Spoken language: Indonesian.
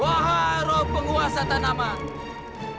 wahai roh penguasa tanaman